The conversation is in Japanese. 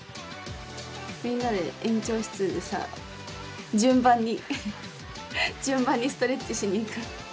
みんなで園長室でさ順番に順番にストレッチしにいく。